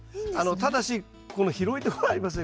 ただしこの広いとこありますね。